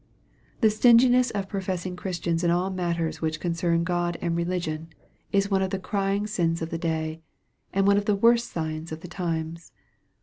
The stinginess of professing Christians in all matters which concern God and religion, is one of the crying sins of the day, and one of the worst signs of the times.